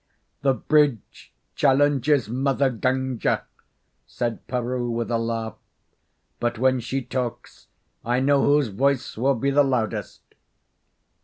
"The bridge challenges Mother Gunga," said Peroo, with a laugh. "But when she talks I know whose voice will be the loudest."